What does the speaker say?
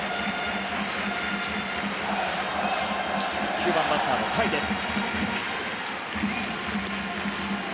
９番バッターの甲斐です。